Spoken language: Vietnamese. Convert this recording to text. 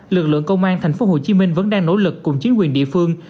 lực lượng công an thành phố hồ chí minh vẫn đang nỗ lực cùng chính quyền địa phương